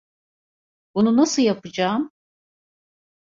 Bunu nasıl yapacağım?